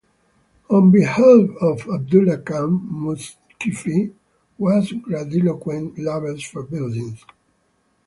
On behalf of Abdullah Khan Mushfiki was grandiloquent labels for buildings.